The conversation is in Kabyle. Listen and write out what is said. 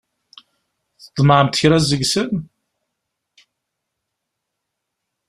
Tḍemɛemt kra seg-sen?